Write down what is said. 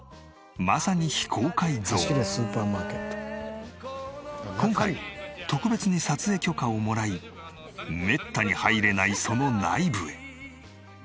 まさに今回特別に撮影許可をもらいめったに入れないその内部へ。